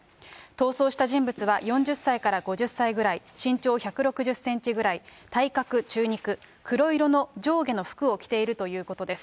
逃走した人物は、４０歳から５０歳ぐらい、身長１６０センチぐらい、体格中肉、黒色の上下の服を着ているということです。